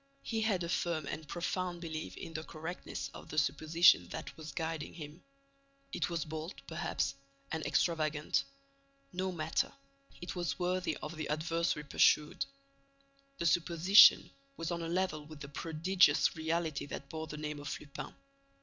He had a firm and profound belief in the correctness of the supposition that was guiding him. It was bold, perhaps, and extravagant; no matter: it was worthy of the adversary pursued. The supposition was on a level with the prodigious reality that bore the name of Lupin.